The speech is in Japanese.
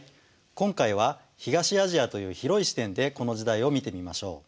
今回は東アジアという広い視点でこの時代を見てみましょう。